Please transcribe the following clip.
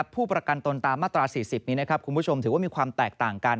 ผู้ประกันตนตามมาตรา๔๐นี้คุณผู้ชมถือว่ามีความแตกต่างกัน